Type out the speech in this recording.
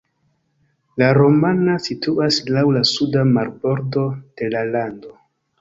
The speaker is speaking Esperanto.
La Romana situas laŭ la suda marbordo de la lando.